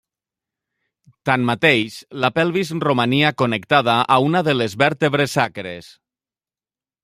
Tanmateix, la pelvis romania connectada a una de les vèrtebres sacres.